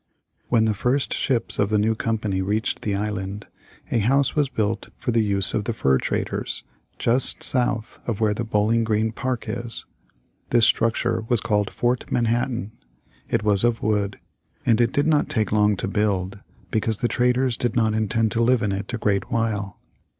When the first ships of the new company reached the island, a house was built for the use of the fur traders, just south of where the Bowling Green Park is. This structure was called Fort Manhattan. It was of wood, and did not take long to build because the traders did not intend to live in it a great while.